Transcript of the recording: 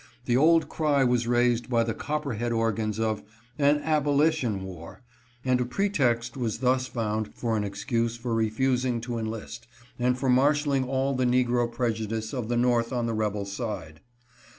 The old cry was raised by the copperhead organs of " an abolition war," and a pretext was thus found for an excuse for refusing to enlist, and for marshaling all the negro prejudice of the North on the rebel side.